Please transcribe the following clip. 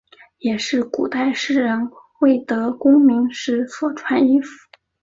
也是古代士人未得功名时所穿衣服。